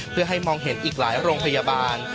เพื่อให้มองเห็นอีกหลายโรงพยาบาล